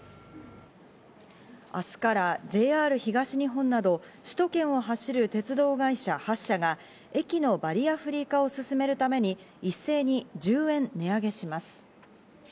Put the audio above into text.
明日からＪＲ東日本など首都圏を走る鉄道会社８社が駅のバリアフリー化を進めるために一斉に１０円値上げします。